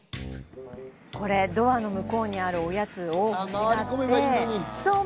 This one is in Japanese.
これドアの向こうにあるおやつを欲しがって。